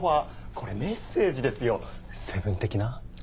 これメッセージですよ『セブン』的な。